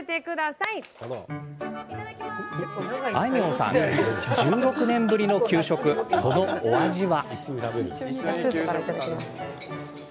あいみょんさん１６年ぶりの給食、そのお味は？